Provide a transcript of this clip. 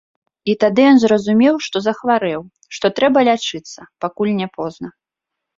І тады ён зразумеў, што захварэў, што трэба лячыцца, пакуль не позна.